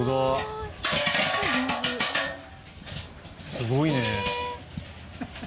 すごいね。